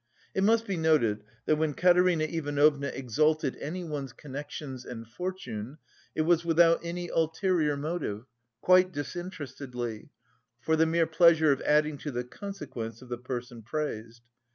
It must be noted that when Katerina Ivanovna exalted anyone's connections and fortune, it was without any ulterior motive, quite disinterestedly, for the mere pleasure of adding to the consequence of the person praised.